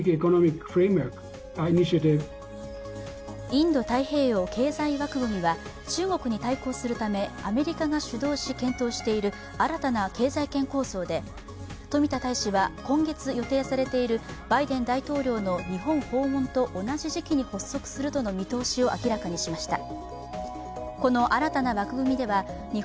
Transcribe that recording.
インド太平洋経済枠組みは中国に対抗するためアメリカが主導し検討している、新たな経済圏構想で冨田大使は今月予定されているバイデン大統領の日本訪問と同じ時期に発足するとの見通しを明らかにしました。